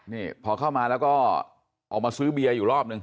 นี่พอเข้ามาแล้วก็ออกมาซื้อเบียร์อยู่รอบนึง